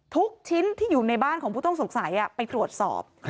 ทุกชิ้นที่อยู่ในบ้านของผู้ต้องสงสัยไปตรวจสอบ